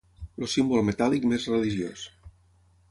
El símbol metàl·lic més religiós.